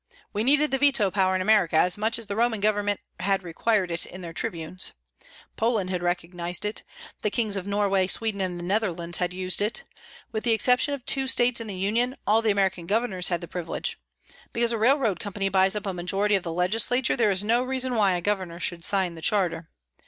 We needed the veto power in America as much as the Roman Government had required it in their tribunes. Poland had recognised it. The Kings of Norway, Sweden, and the Netherlands had used it. With the exception of two states in the Union, all the American Governors had the privilege. Because a railroad company buys up a majority of the legislature there is no reason why a Governor should sign the charter.